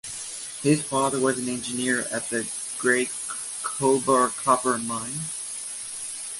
His father was an engineer at the Great Cobar Copper Mine.